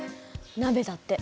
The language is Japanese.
鍋だって。